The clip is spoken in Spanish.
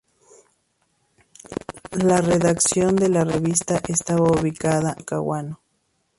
La redacción de la revista estaba ubicada en Talcahuano.